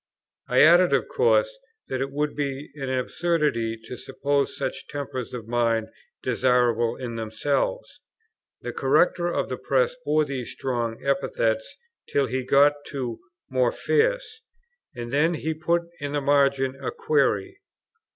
I added, of course, that it would be an absurdity to suppose such tempers of mind desirable in themselves. The corrector of the press bore these strong epithets till he got to "more fierce," and then he put in the margin a query.